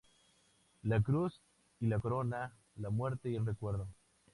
La cruz y la corona: la muerte y el recuerdo.